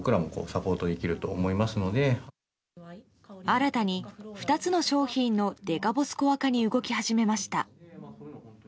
新たに２つの商品のデカボスコア化に動き始めました。